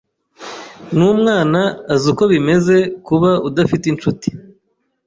N'umwana azi uko bimeze kuba udafite inshuti.